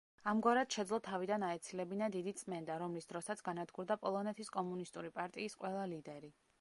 ამგვარად შეძლო თავიდან აეცილებინა დიდი წმენდა, რომლის დროსაც განადგურდა პოლონეთის კომუნისტური პარტიის ყველა ლიდერი.